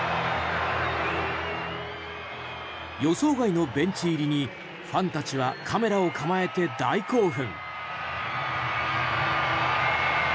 予想外のベンチ入りにファンたちはカメラを構えて大興奮。